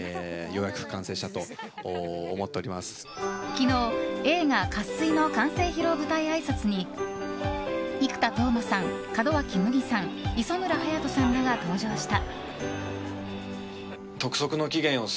昨日、映画「渇水」の完成披露舞台あいさつに生田斗真さん、門脇麦さん磯村勇斗さんらが登場した。